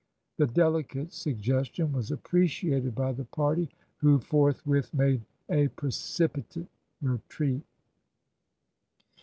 The delicate suggestion was appreciated by the party, who forthwith made a precipitate retreat.